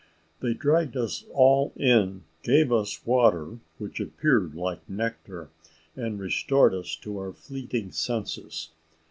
They dragged us all in, gave us water, which appeared like nectar, and restored us to our fleeting senses.